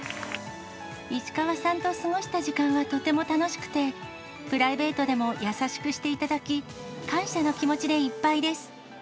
石川さんと過ごした時間はとても楽しくて、プライベートでも優しくしていただき、感謝の気持ちでいっぱいです。